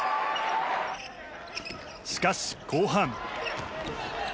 しかし、後半。